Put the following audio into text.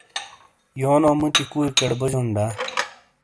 یونو مُتی کُویئکیڑے بوجون دا؟